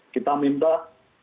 kita minta jangan tertunda lagi